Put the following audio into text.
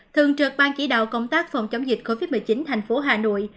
thường trực ban chỉ đạo công tác phòng chống dịch covid một mươi chín thành phố hà nội